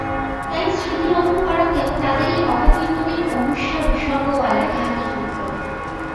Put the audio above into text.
তাই স্মৃতিরত্নপাড়াতেও তাদের এই অপকীর্তনের অনুস্বার-বিসর্গওয়ালা ঢাকি জুটল।